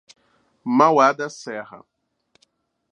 Mauá da Serra